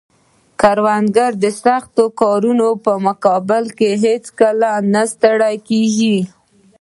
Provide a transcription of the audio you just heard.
کروندګر د سخت کارونو په مقابل کې هیڅکله نه ستړی کیږي